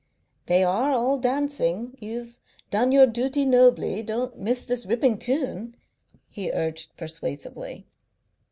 "They are all dancing. You've done your duty nobly. Don't miss this ripping tune," he urged persuasively.